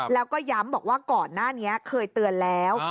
แล้วก็ย้ำบอกว่าก่อนหน้านี้เคยเตือนแล้ว